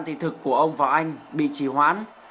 thị thực của ông vào anh bị trì hoãn